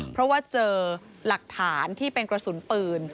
เพราะว่าเจอหลักฐานที่เป็นกระสุนปืน